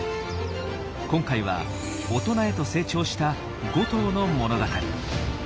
今回はオトナへと成長した５頭の物語。